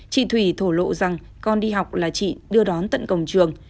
chị thủy thổ lộ rằng con đi học là chị đưa đón tận cổng trường